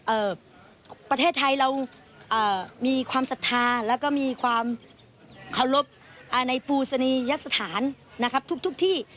เอ่อประเทศไทยเราเอ่อมีความศรัทธาแล้วก็มีความเคารพอ่าในปูสนียสถานนะครับทุกทุกที่